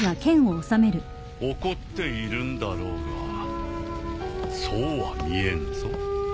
怒っているんだろうがそうは見えんぞ。